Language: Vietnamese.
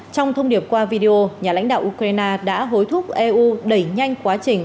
trong thông điệp qua video nhà lãnh đạo ukraine đã hối thúc eu đẩy nhanh quá trình